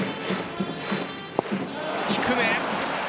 低め。